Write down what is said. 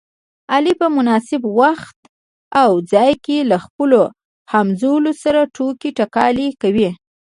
علي په مناسب وخت او ځای کې له خپلو همځولو سره ټوکې ټکالې کوي.